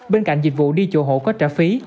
bên cạnh dịch vụ đi chùa hộ có trả phí